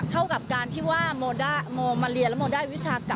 เราไปฟังเสียงเธอหน่อยค่ะ